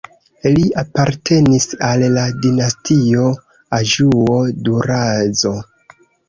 Li apartenis al la dinastio Anĵuo-Durazzo.